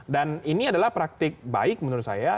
dan ini adalah praktik baik menurut saya